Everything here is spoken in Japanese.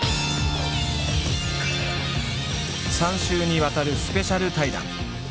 ３週にわたるスペシャル対談。